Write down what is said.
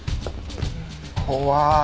怖い。